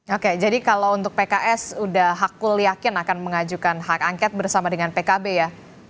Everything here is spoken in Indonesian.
oke jadi kalau untuk pks sudah hakul yakin akan mengajukan hak angket bersama dengan pkb ya